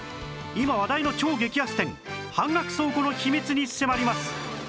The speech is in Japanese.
今話題の超激安店半額倉庫の秘密に迫ります